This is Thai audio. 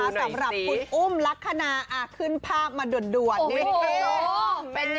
สำหรับคุณอุ้มลักษณะขึ้นภาพมาด่วนนี่